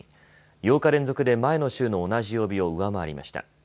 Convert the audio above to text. ８日連続で前の週の同じ曜日を上回りました。